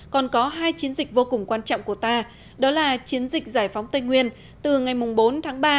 còn có hai chiến dịch vô cùng quan trọng của ta đó là chiến dịch giải phóng tây nguyên từ ngày bốn tháng ba